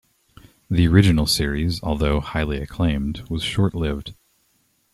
The original series, although highly acclaimed, was short-lived.